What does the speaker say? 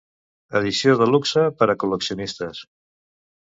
Edició de luxe per a col·leccionistes.